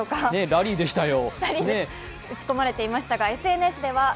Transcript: ラリーでしたよ。